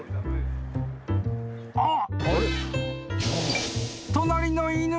［あっ］